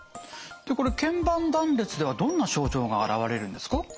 これ腱板断裂ではどんな症状が現れるんですか？